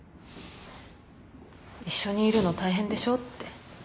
一緒にいるの大変でしょ？って。